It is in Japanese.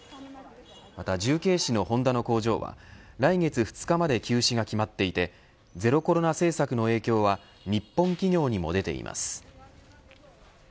また、重慶市のホンダの工場は来月２日まで休止が決まっていてゼロコロナ政策の影響は日本企業にも出ています。